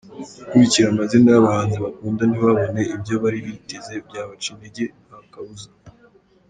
Gukurikira amazina y’abahanzi bakunda ntibabone ibyo bari biteze byabaca intege nta kabuza.